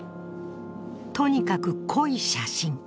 とにかく濃い写真。